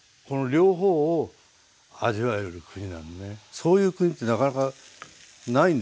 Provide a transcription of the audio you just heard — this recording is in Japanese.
そういう国ってなかなかないんですよ。